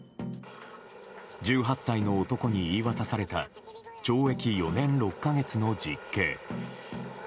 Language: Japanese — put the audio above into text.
１８歳の男に言い渡された懲役４年６か月の実刑。